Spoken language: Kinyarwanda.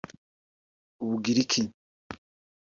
u Bugiriki)